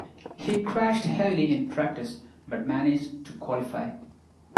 He crashed heavily in practice, but managed to qualify.